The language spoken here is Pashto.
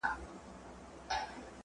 فقر د ټولنيز سيستم پايله ده.